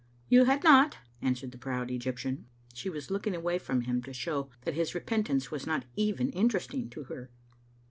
"You had not," answered the proud Egyptian. She was looking away from him to show that his repentance was not even interesting to her.